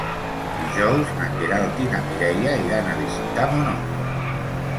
Dijous na Queralt i na Mireia iran a visitar mon oncle.